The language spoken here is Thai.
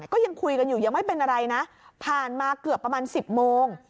ก็ยังคุยกันอยู่ยังไม่เป็นอะไรนะผ่านมาเกือบประมาณ๑๐โมง